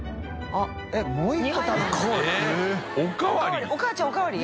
次お母ちゃんおかわり？